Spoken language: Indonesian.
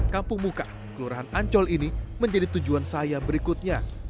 kampung muka kelurahan ancol ini menjadi tujuan saya berikutnya